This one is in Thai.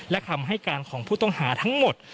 และคำให้การของผู้ต้องหาทั้งหมด